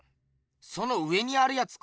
その上にあるやつか？